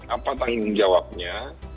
apa tanggung jawabnya